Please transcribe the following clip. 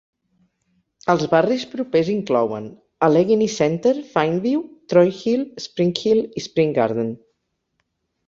Els barris propers inclouen Allegheny Center, Fineview, Troy Hill, Spring Hill, i Spring Garden.